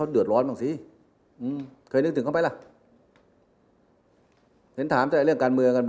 เศรษฐกิจใช่ไหมหน้าข่าวเศรษฐกิจ